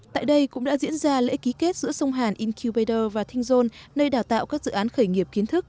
tại đây cũng đã diễn ra lễ ký kết giữa sông hàn incubator và thinh dôn nơi đào tạo các dự án khởi nghiệp kiến thức